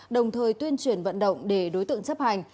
đồng thời tuyên truyền vận động để đối tượng chấp hành